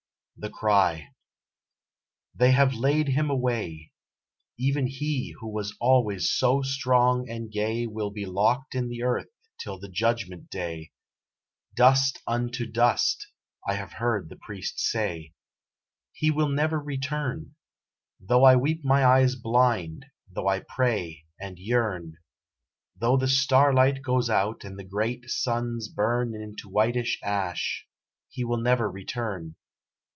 THE CRY They have laid him away; Even he who was always so strong and gay Will be locked in the earth till the judgment day; "Dust unto dust" I have heard the priest say. He will never return; Though I weep my eyes blind, though I pray and yearn, Though the star light goes out and the great suns burn Into whitest ash, he will never return.